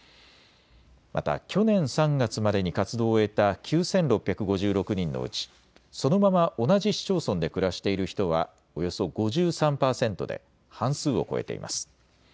また去年３月までに活動を終えた９６５６人のうち、そのまま同じ市町村で暮らしている人はおよそ５３％で半数を超えています。